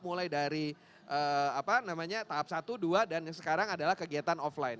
mulai dari tahap satu dua dan yang sekarang adalah kegiatan offline